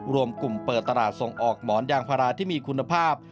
รวมกลุ่มเปิดตลาดส่งออกหมอนยางพาราที่มีคุณภาพ